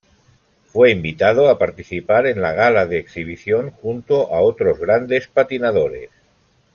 Fue invitado a participar en la Gala del Exhibición junto a otros grandes patinadores.